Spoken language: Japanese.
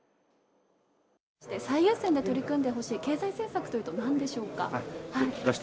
最優先に取り組んでほしい経済政策というと、なんでしょうか？